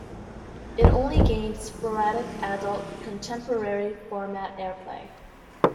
It only gained sporadic Adult Contemporary format airplay.